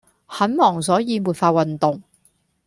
很忙所以沒法運動。